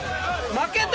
負けた？